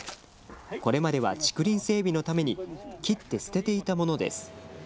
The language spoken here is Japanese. これまでは竹林整備のために切って捨てていたものです。